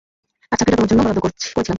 তার চাকরিটা তোমার জন্য বরাদ্দ করেছিলাম।